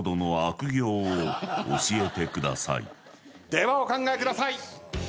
ではお考えください。